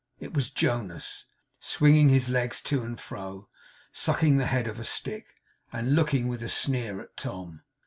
It was Jonas; swinging his legs to and fro, sucking the head of a stick, and looking with a sneer at Tom.